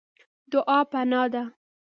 دعا پناه ده.